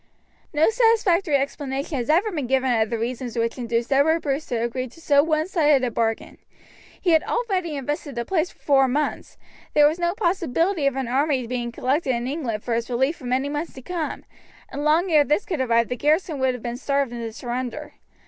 No satisfactory explanation has ever been given of the reasons which induced Edward Bruce to agree to so one sided a bargain. He had already invested the place for four months, there was no possibility of an army being collected in England for its relief for many months to come, and long ere this could arrive the garrison would have been starved into surrender.